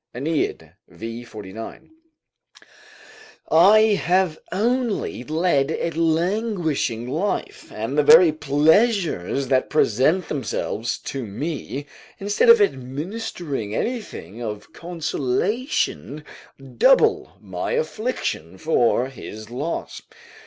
AEneid, v. 49.] I have only led a languishing life; and the very pleasures that present themselves to me, instead of administering anything of consolation, double my affliction for his loss.